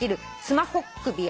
スマホっ